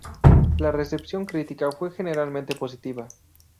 La recepción crítica fue generalmente positiva.